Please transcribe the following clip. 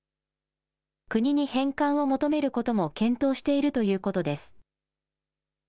国に返還を求めることも検討しているということです。